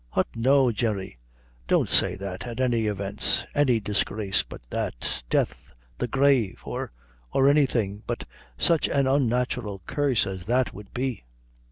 Hut, no, Jerry, don't say that, at all events any disgrace but that death, the grave or or anything but sich an unnatural curse as that would be."